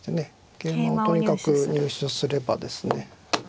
桂馬をとにかく入手すればですね